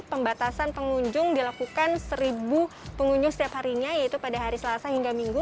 pembatasan pengunjung dilakukan seribu pengunjung setiap harinya yaitu pada hari selasa hingga minggu